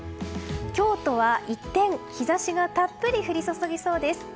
今日とは一転、日差しがたっぷり降り注ぎそうです。